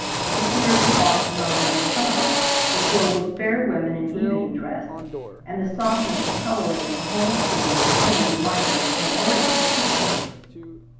The tiers of boxes, on either side, were filled with fair women in evening dress, and the softness of coloring in the whole scene could only be likened to some Oriental picture.